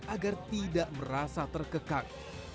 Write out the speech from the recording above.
agar tidak merasa terkekang